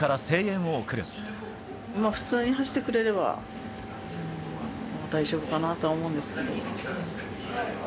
もう普通に走ってくれれば、大丈夫かなとは思うんですけれども。